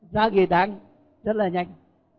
ra nghề đáng rất là nhanh